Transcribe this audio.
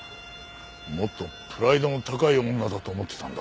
もっとプライドの高い女だと思ってたんだが。